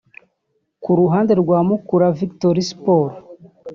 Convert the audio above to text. Ku ruhande rwa Mukura Victory Sport